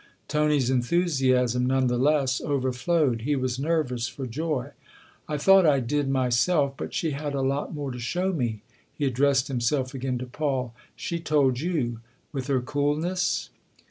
Tony's enthusiasm, none the less, overflowed ; he was nervous for joy. " I thought I did myself, but she had a lot more to show me !" He addressed himself again to Paul. " She told you with her coolness